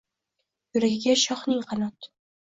Yuragiga shohning qanot —